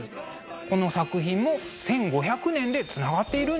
この作品も１５００年でつながっているんですね。